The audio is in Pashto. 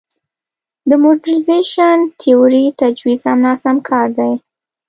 د موډرنیزېشن تیورۍ تجویز هم ناسم کار دی.